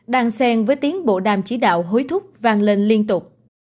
đàn sen với tiến bộ đàm chỉ đạo hối thúc vang lên liên tục